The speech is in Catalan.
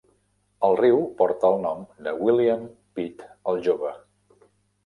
El riu porta el nom de William Pitt El Jove.